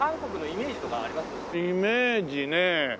イメージねえ。